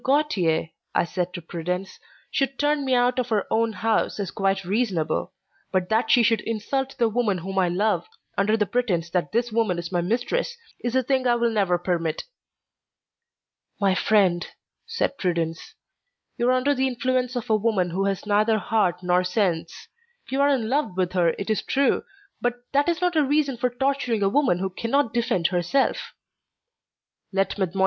Gautier," I said to Prudence, "should turn me out of her own house is quite reasonable, but that she should insult the woman whom I love, under the pretence that this woman is my mistress, is a thing I will never permit." "My friend," said Prudence, "you are under the influence of a woman who has neither heart nor sense; you are in love with her, it is true, but that is not a reason for torturing a woman who can not defend herself." "Let Mlle.